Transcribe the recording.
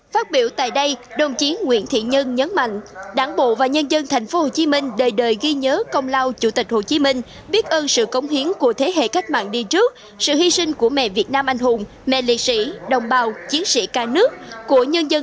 phát biểu tại đây đồng chí nguyễn thị nhân nhấn mạnh